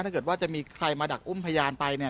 ถ้าเกิดว่าจะมีใครมาดักอุ้มพยานไปเนี่ย